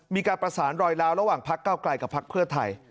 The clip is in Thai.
มีการประสานรอยล้าวระหว่างพักเก้าไกลกับพักเพื่อไทย